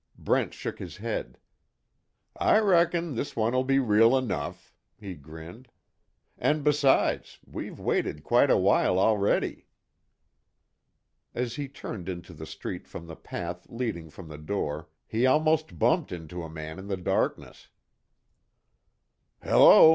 Brent shook his head: "I reckon this one will be real enough," he grinned, "And besides, we've waited quite a while, already." As he turned into the street from the path leading from the door he almost bumped into a man in the darkness: "Hello!